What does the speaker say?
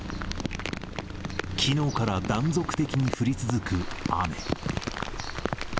きのうから断続的に降り続く雨。